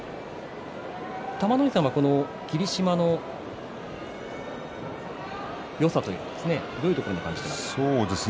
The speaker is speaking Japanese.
玉ノ井さんは霧島のよさというかどういうところに感じていますか。